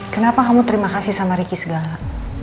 kenapa kamu terima kasih sama ricky segala